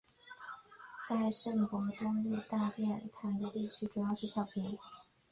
在圣伯多禄大殿和梵蒂冈博物馆周围平坦的地区上主要是草坪。